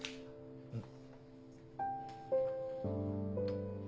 うん。